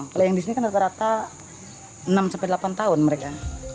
kalau yang disini kan rata rata enam sampai delapan tahun mereka